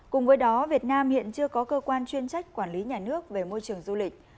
cùng với đó việt nam hiện chưa có cơ quan chuyên trách quản lý nhà nước về môi trường du lịch